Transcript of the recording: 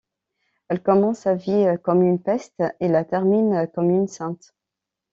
Elle commence sa vie comme une peste et la termine comme une sainte.